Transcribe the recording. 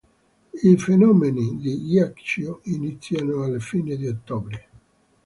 I fenomeni di ghiaccio iniziano alla fine di ottobre.